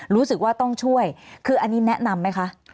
รู้สึกว่าต้องช่วยคืออันนี้แนะนำไหมคะ